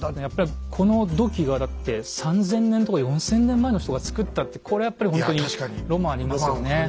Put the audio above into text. やっぱりこの土器がだって３，０００年とか４，０００年前の人がつくったってこれはやっぱりほんとにロマンありますよね。